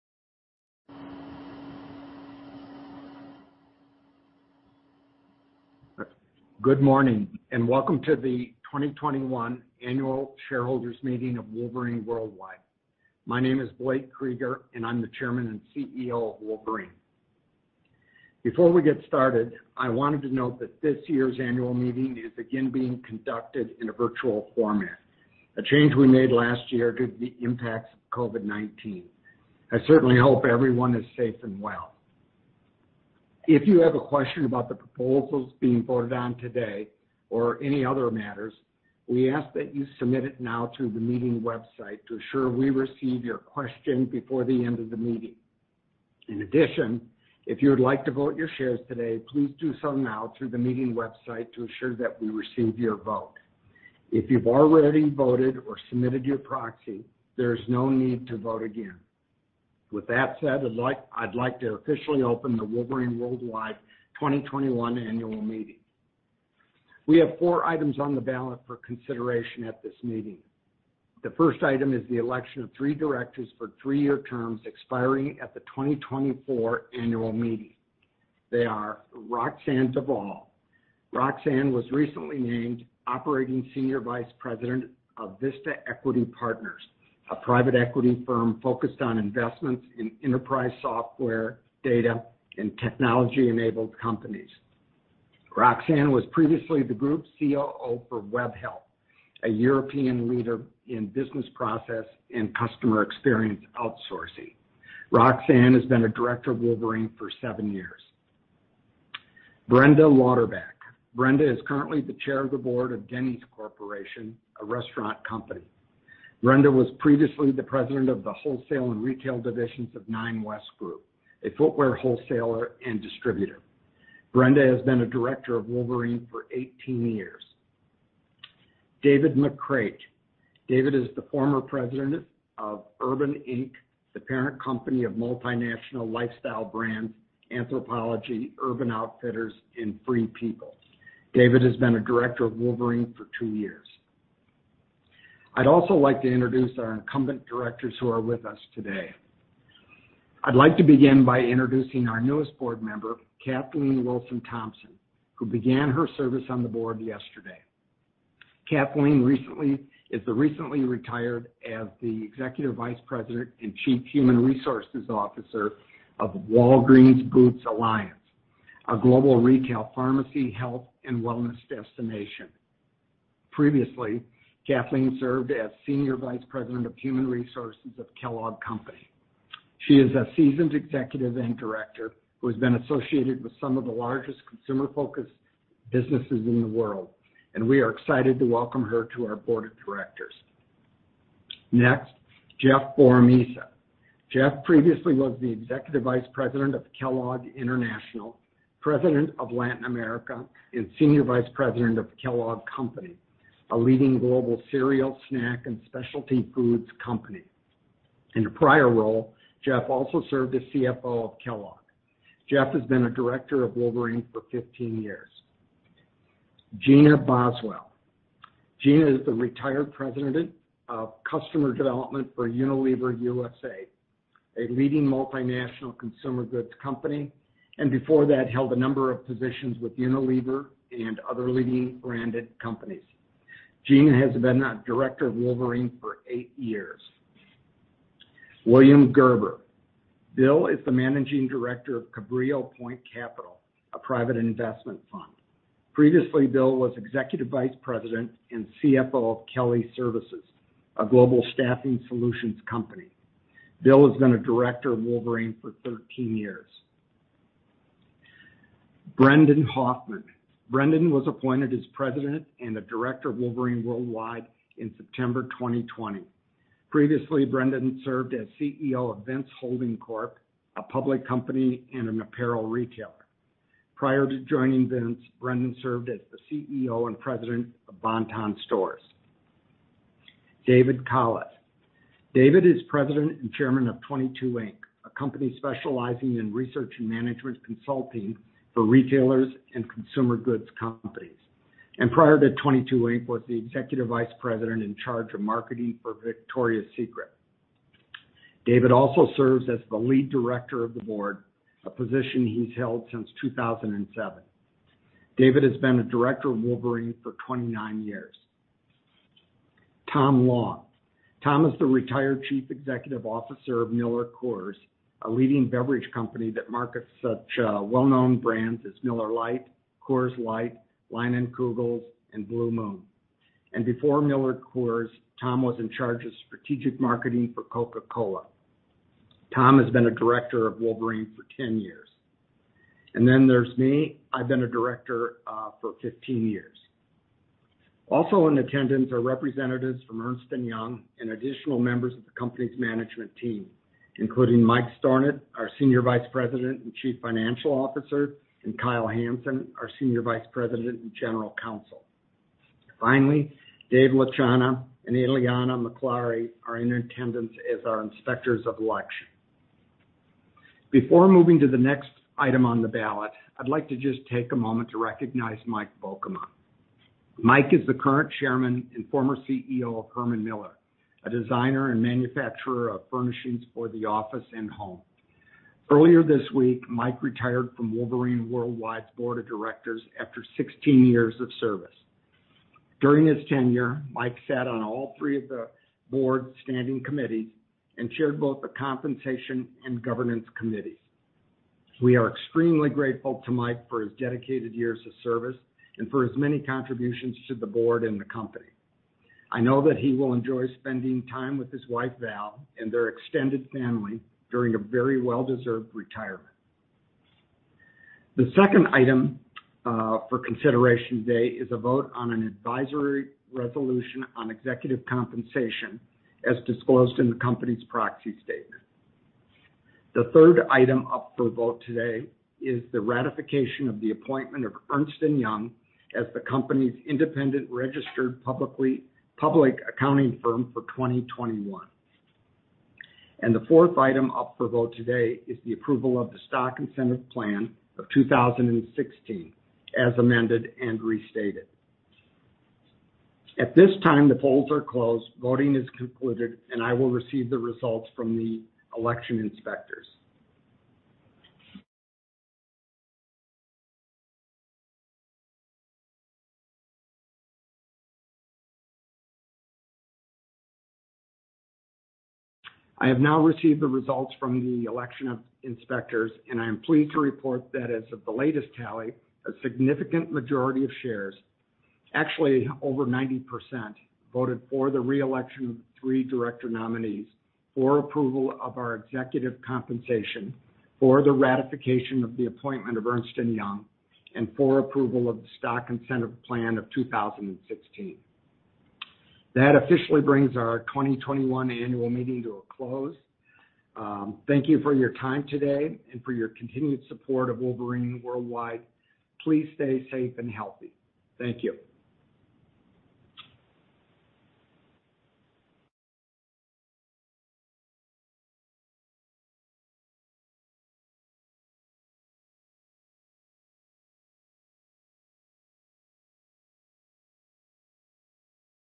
Good morning, and welcome to the 2021 Annual Shareholders Meeting of Wolverine Worldwide. My name is Blake Krueger, and I'm the chairman and CEO of Wolverine. Before we get started, I wanted to note that this year's annual meeting is again being conducted in a virtual format, a change we made last year due to the impacts of COVID-19. I certainly hope everyone is safe and well. If you have a question about the proposals being voted on today or any other matters, we ask that you submit it now through the meeting website to ensure we receive your question before the end of the meeting. In addition, if you would like to vote your shares today, please do so now through the meeting website to ensure that we receive your vote. If you've already voted or submitted your proxy, there is no need to vote again. With that said, I'd like, I'd like to officially open the Wolverine Worldwide 2021 Annual Meeting. We have four items on the ballot for consideration at this meeting. The first item is the election of three directors for three-year terms expiring at the 2024 Annual Meeting. They are Roxanne Divol. Roxanne was recently named Operating Senior Vice President of Vista Equity Partners, a private equity firm focused on investments in enterprise software, data, and technology-enabled companies. Roxanne was previously the Group COO for Webhelp, a European leader in business process and customer experience outsourcing. Roxanne has been a director of Wolverine for seven years. Brenda Lauderback. Brenda is currently the Chair of the Board of Denny's Corporation, a restaurant company. Brenda was previously the president of the wholesale and retail divisions of Nine West Group, a footwear wholesaler and distributor. Brenda has been a director of Wolverine for 18 years. David McCreight. David is the former president of Urban Inc., the parent company of multinational lifestyle brands, Anthropologie, Urban Outfitters, and Free People. David has been a director of Wolverine for 2 years. I'd also like to introduce our incumbent directors who are with us today. I'd like to begin by introducing our newest board member, Kathleen Wilson-Thompson, who began her service on the board yesterday. Kathleen is the recently retired Executive Vice President and Chief Human Resources Officer of Walgreens Boots Alliance, a global retail pharmacy, health, and wellness destination. Previously, Kathleen served as Senior Vice President of Human Resources of Kellogg Company. She is a seasoned executive and director who has been associated with some of the largest consumer-focused businesses in the world, and we are excited to welcome her to our board of directors. Next, Jeff Boromisa. Jeff previously was the Executive Vice President of Kellogg International, President of Latin America, and Senior Vice President of Kellogg Company, a leading global cereal, snack, and specialty foods company. In a prior role, Jeff also served as CFO of Kellogg. Jeff has been a director of Wolverine for 15 years. Gina Boswell. Gina is the retired President of Customer Development for Unilever USA, a leading multinational consumer goods company, and before that, held a number of positions with Unilever and other leading branded companies. Gina has been a director of Wolverine for 8 years. William Gerber. Bill is the Managing Director of Cabrillo Point Capital, a private investment fund. Previously, Bill was Executive Vice President and CFO of Kelly Services, a global staffing solutions company. Bill has been a director of Wolverine for 13 years. Brendan Hoffman. Brendan was appointed as President and a director of Wolverine Worldwide in September 2020. Previously, Brendan served as CEO of Vince Holding Corp, a public company and an apparel retailer. Prior to joining Vince, Brendan served as the CEO and President of Bon-Ton Stores. David Kollat. David is President and Chairman of 22 Inc, a company specializing in research and management consulting for retailers and consumer goods companies, and prior to 22 Inc, was the Executive Vice President in charge of marketing for Victoria's Secret. David also serves as the lead director of the board, a position he's held since 2007. David has been a director of Wolverine for 29 years. Tom Long. Tom is the retired Chief Executive Officer of MillerCoors, a leading beverage company that markets such well-known brands as Miller Lite, Coors Light, Leinenkugel's, and Blue Moon. Before MillerCoors, Tom was in charge of strategic marketing for Coca-Cola. Tom has been a director of Wolverine for 10 years. Then there's me. I've been a director for 15 years. Also in attendance are representatives from Ernst & Young and additional members of the company's management team, including Mike Stornant, our Senior Vice President and Chief Financial Officer, and Kyle Hanson, our Senior Vice President and General Counsel. Finally, David Latchana and Ileana McAlary are in attendance as our inspectors of election. Before moving to the next item on the ballot, I'd like to just take a moment to recognize Mike Volkema. Mike is the current Chairman and former CEO of Herman Miller, a designer and manufacturer of furnishings for the office and home. Earlier this week, Mike retired from Wolverine Worldwide's board of directors after 16 years of service. During his tenure, Mike sat on all three of the board standing committees and chaired both the Compensation and Governance Committees. We are extremely grateful to Mike for his dedicated years of service and for his many contributions to the board and the company. I know that he will enjoy spending time with his wife, Val, and their extended family during a very well-deserved retirement. The second item for consideration today is a vote on an advisory resolution on executive compensation, as disclosed in the company's proxy statement. The third item up for vote today is the ratification of the appointment of Ernst & Young as the company's independent registered public accounting firm for 2021. The fourth item up for vote today is the approval of the Stock Incentive Plan of 2016, as amended and restated. At this time, the polls are closed, voting is concluded, and I will receive the results from the election inspectors. I have now received the results from the election of inspectors, and I am pleased to report that as of the latest tally, a significant majority of shares, actually over 90%, voted for the re-election of three director nominees, for approval of our executive compensation, for the ratification of the appointment of Ernst & Young, and for approval of the Stock Incentive Plan of 2016. That officially brings our 2021 annual meeting to a close. Thank you for your time today and for your continued support of Wolverine Worldwide. Please stay safe and healthy. Thank you.